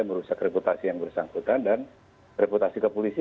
merusak reputasi yang bersangkutan dan reputasi kepolisian